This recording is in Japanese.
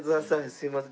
すいません。